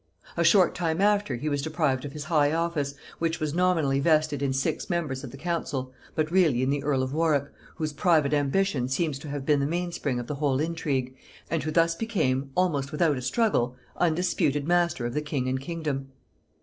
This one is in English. A short time after he was deprived of his high office, which was nominally vested in six members of the council, but really in the earl of Warwick, whose private ambition seems to have been the main spring of the whole intrigue, and who thus became, almost without a struggle, undisputed master of the king and kingdom.